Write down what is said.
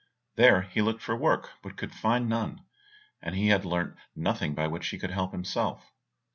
There he looked for work, but could find none, and he had learnt nothing by which he could help himself.